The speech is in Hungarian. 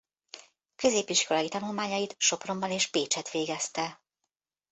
Középiskolai tanulmányait Sopronban és Pécsett végezte.